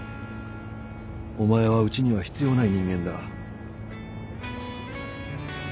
お前はうちには必要ない人間だ